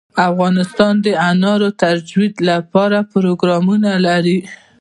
افغانستان د انار د ترویج لپاره پروګرامونه لري.